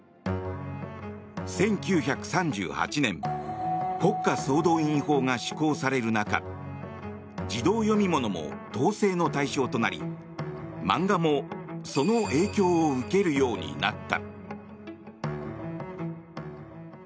１９３８年国家総動員法が施行される中児童読み物も統制の対象となり漫画もその影響を受けるようになった。